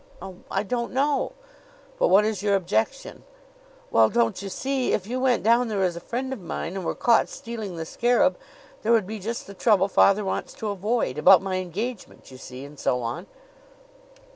"Oh, I don't know." "But what is your objection?" "Well don't you see? if you went down there as a friend of mine and were caught stealing the scarab, there would be just the trouble father wants to avoid about my engagement, you see, and so on."